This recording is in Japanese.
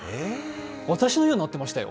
私のようになっていましたよ。